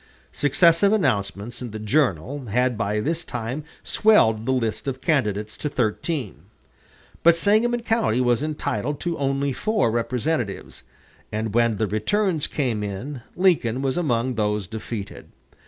Successive announcements in the "Journal" had by this time swelled the list of candidates to thirteen. But Sangamon County was entitled to only four representatives and when the returns came in Lincoln was among those defeated.